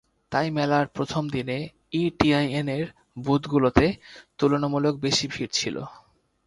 তাই মেলার প্রথম দিনে ই টিআইএনের বুথগুলোতে তুলনামূলক বেশি ভিড় ছিল।